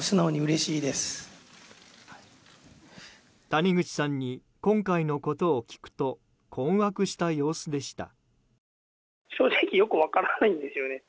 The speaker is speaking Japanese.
谷口さんに今回のことを聞くと困惑した様子でした。